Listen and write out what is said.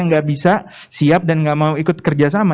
nggak bisa siap dan nggak mau ikut kerjasama